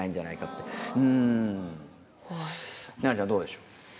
菜奈ちゃんどうでしょう？